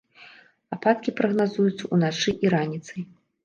Ападкі прагназуюцца ўначы і раніцай.